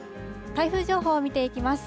台風情報を見ていきます。